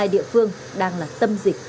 hai địa phương đang là tâm dịch